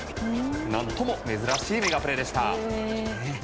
何とも珍しいメガプレでした。